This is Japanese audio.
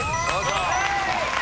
正解。